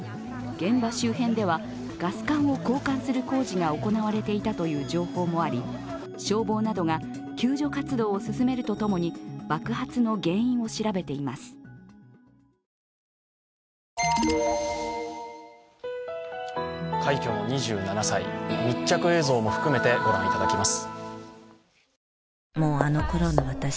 現場周辺では、ガス管を交換する工事が行われていたという情報があり消防などが救助活動を進めるとともに爆発の原因を調べています。